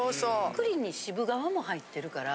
栗に渋皮も入ってるから。